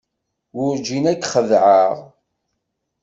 Werǧin ad k-xedɛeɣ.